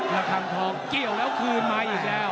ระคังทองเกี่ยวแล้วคืนมาอีกแล้ว